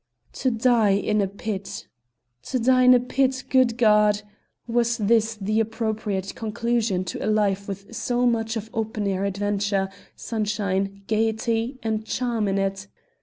To die in a pit! To die in a pit! good God! was this the appropriate conclusion to a life with so much of open air adventure, sunshine, gaiety, and charm in it?